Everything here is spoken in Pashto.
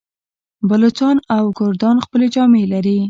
بلوڅان او کردان خپلې جامې لري.